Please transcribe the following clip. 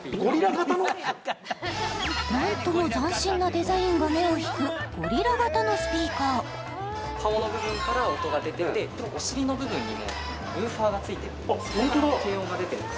なんとも斬新なデザインが目を引くゴリラ型のスピーカー顔の部分から音が出ててお尻の部分にもウーハーがついていてそこから低音が出てるんです